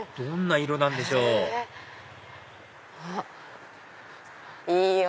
どんな色なんでしょういい